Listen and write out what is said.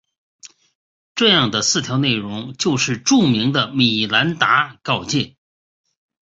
这样的四条内容就是著名的米兰达告诫。